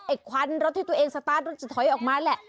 ควันรถที่ตัวเองสตาร์ทรถจะถอยออกมาแหละ